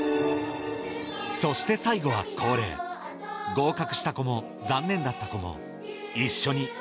そして最後は恒例合格した子も残念だった子も一緒に